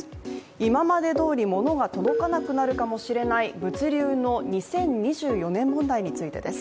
今までどおりものが届かなくなるかもしれない物流の２０２４年問題についてです。